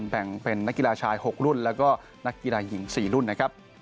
แบ่งเป็นนักกีฬาชาย๖รุ่นแล้วก็นักกีฬาหญิง๔รุ่นนะครับ